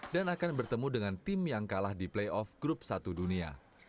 dan akan bertemu dengan tim yang kalah di playoff grup satu dunia